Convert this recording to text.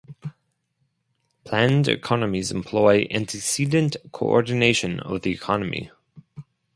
Planned economies employ antecedent co-ordination of the economy.